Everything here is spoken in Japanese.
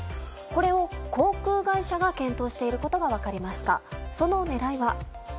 これを航空会社が検討していることが分かりました。